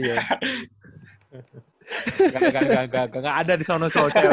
engga engga engga engga ada di sana cowok cewok